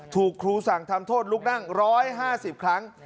ถูกครูสั่งทำโทษลุกนั่ง๑๕๐ครั้ง